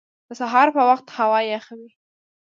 د سهار په وخت هوا یخه وي